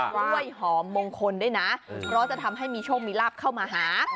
กล้วยหอมมงคลด้วยนะเพราะจะทำให้มีโชคมีลาบเข้ามาหา